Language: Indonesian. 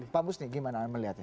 pak busni gimana melihatnya